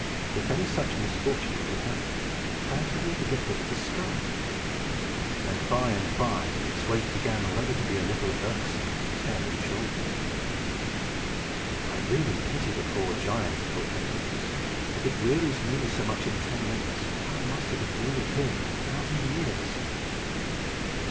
If any such misfortune were to happen, how could he ever get rid of the sky? And, by the by, its weight began already to be a little irksome to his head and shoulders. "I really pity the poor giant," thought Hercules. "If it wearies me so much in ten minutes, how must it have wearied him in a thousand years!"